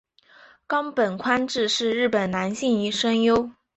冈本宽志是日本男性声优。